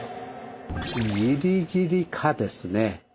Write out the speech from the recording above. ギリギリ「可」ですね。